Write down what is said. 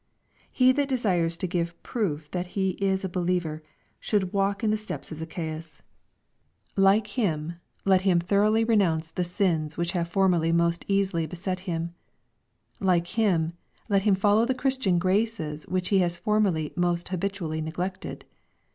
He that desires to give proof that he is a believer, ehould walk in the steps of Zacchaeus. Like him, let him 234 EXPOSITORY THOUGHTS, g^ ^^ jt4^ ^\ .a ^"> thoroughly j;enounce the sins which have formerly most easily beset him. Like him, let him follow the Christian graces which he has formerly most habitually neglected.